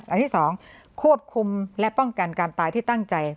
อันที่๒ควบคุมและป้องกันการตายที่ตั้งใจ